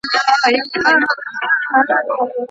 ولي مدام هڅاند د لایق کس په پرتله هدف ترلاسه کوي؟